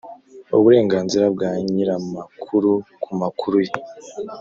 uburenganzira bwa nyir amakuru ku makuru ye.